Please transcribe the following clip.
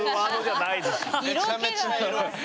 めちゃめちゃエロい。